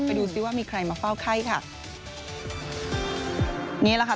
ไปดูซิว่ามีใครมาเฝ้าไข้ค่ะนี่แหละค่ะ